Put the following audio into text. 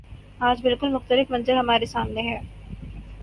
آج بالکل مختلف منظر ہمارے سامنے ہے۔